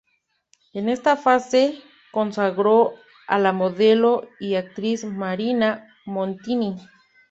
En esta fase consagró a la modelo y actriz Marina Montini.